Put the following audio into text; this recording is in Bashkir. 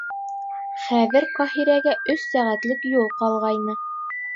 Хәҙер Ҡаһирәгә өс сәғәтлек юл ҡалғайны.